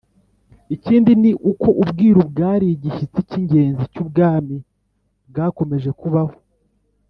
Ikindi ni uko ubwiru bwari igishyitsi cy'ingenzi cy'ubwami bwakomeje kubaho.